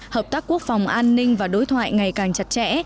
hợp tác quốc phòng an ninh và đối thoại ngày càng chặt chẽ